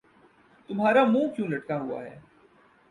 تمہارا منہ کیوں لٹکا ہوا ہے